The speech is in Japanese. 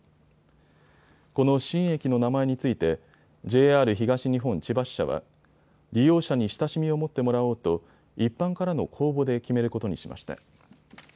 この新駅の名前についてＪＲ東日本千葉支社は利用者に親しみを持ってもらおうと一般からの公募で決めることにしました。